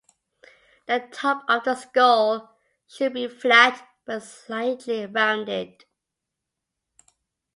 The top of the skull should be flat but slightly rounded.